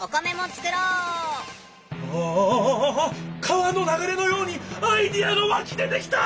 川のながれのようにアイデアがわき出てきた！